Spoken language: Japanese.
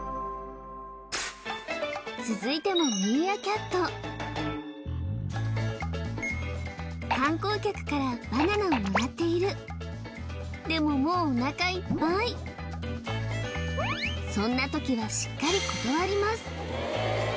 続いてもミーアキャット観光客からバナナをもらっているでももうおなかいっぱいそんな時はしっかり断ります